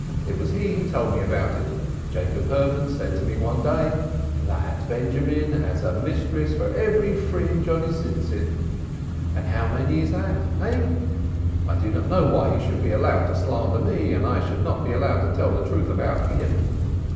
It was he who told me about it. Jacob Hermann said to me one day: 'That Benjamin has a mistress for every fringe of his four corners.' And how many is that, eh? I do not know why he should be allowed to slander me and I not be allowed to tell the truth about him.